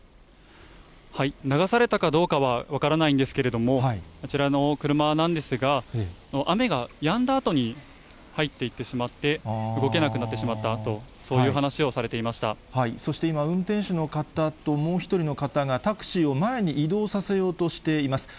流されたかどうかは分からないんですけれども、あちらの車なんですが、雨がやんだあとに入っていってしまって、動けなくなってしまったそして今、運転手の方と、もう１人の方が、タクシーを前に移動させようとしています。